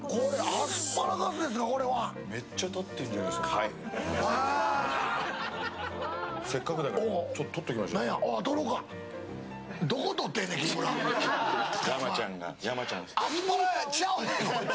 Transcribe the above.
アスパラちゃうねん